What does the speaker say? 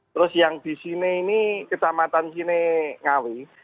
terus yang di sini ini kecamatan sini ngawi